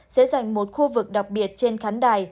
sẽ dành một khu vực đặc biệt trên khán đài